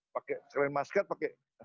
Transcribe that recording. pakai ceklen maskat pakai